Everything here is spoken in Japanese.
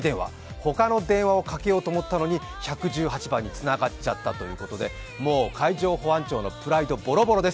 他の電話をかけようと思ったのに１１８番につながっちゃったということでもう海上保安庁のプライド、ぼろぼろです。